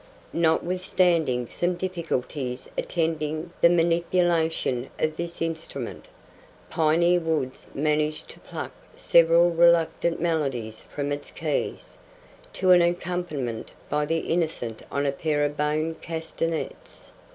Notwithstanding some difficulties attending the manipulation of this instrument, Piney Woods managed to pluck several reluctant melodies from its keys, to an accompaniment by the Innocent on a pair of bone castanets.